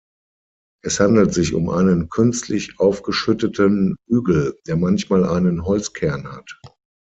Es handelt sich um einen künstlich aufgeschütteten Hügel, der manchmal einen Holzkern hat.